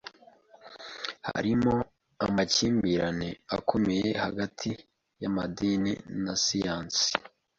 Hariho amakimbirane akomeye hagati y’amadini na siyansi.